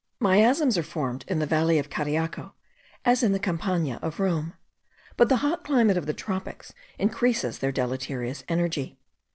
Miasms are formed in the valley of Cariaco, as in the Campagna of Rome; but the hot climate of the tropics increases their deleterious energy.